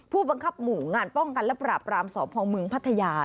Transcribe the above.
ผู้บังคับหมู่งานป้องกันและปราบรามสพเมืองพัทยา